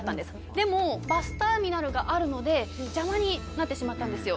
でもバスターミナルがあるので邪魔になってしまったんですよ。